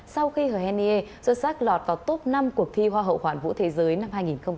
sau khi hồ hèn nghê xuất sắc lọt vào top năm cuộc thi hoa hậu hoàn vũ thế giới năm hai nghìn một mươi tám